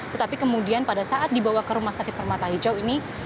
tetapi kemudian pada saat dibawa ke rumah sakit permata hijau ini